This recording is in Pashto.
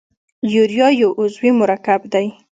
یوریا یو عضوي مرکب دی.